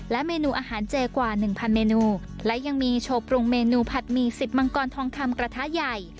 เมนูอาหารเจกว่าหนึ่งพันเมนูและยังมีโชว์ปรุงเมนูผัดหมี่สิบมังกรทองคำกระทะใหญ่